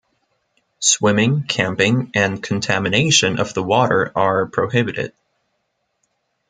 Swimming, camping and contamination of the water are prohibited.